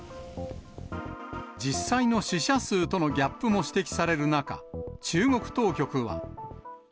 実際の死者数とのギャップも指摘される中、中国当局は。